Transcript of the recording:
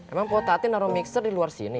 emang kok tati naro mixer di luar sini